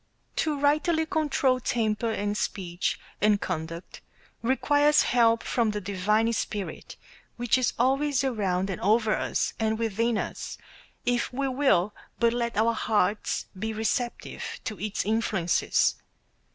To rightly control temper and speech and conduct requires help from the divine Spirit which is always around and over us, and within us, if we will but let our hearts be receptive to its influences.